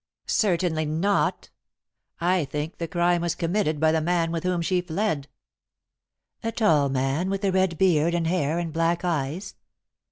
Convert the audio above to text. "Certainly not. I think the crime was committed by the man with whom she fled." "A tall man with a red beard and hair and black eyes?"